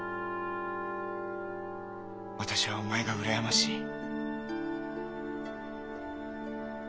私はお前がうらやましい。